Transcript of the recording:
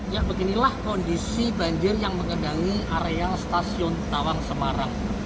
ya beginilah kondisi banjir yang mengendangi areal stasiun tawang semarang